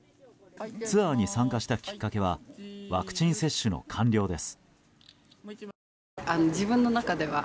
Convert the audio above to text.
ツアーに参加したきっかけはワクチン接種の完了です。